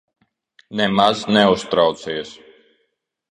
Nemaz neuztraucies.